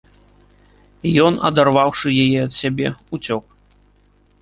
Ён, адарваўшы яе ад сябе, уцёк.